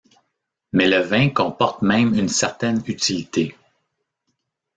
Mais le vin comporte même une certaine utilité.